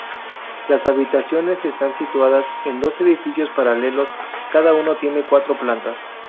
Las habitaciones están situadas en dos edificios paralelos, cada uno tiene cuatro plantas.